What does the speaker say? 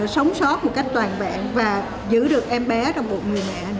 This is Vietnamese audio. sống sót một cách toàn vẹn và giữ được em bé trong bụng người mẹ nữa